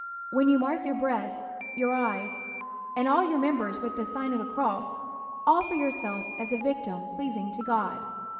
.. When you mark your breast, your eyes, and all your members with the Sign of the Cross, offer yourself as a victim pleasing to God.